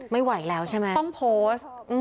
ไม่ไหวแล้วใช่ไหมต้องโพสต์